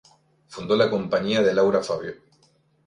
Fundó la "Compañía de Laura Favio".